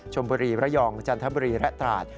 ชมบุรีระยองจันทบุรีและตราด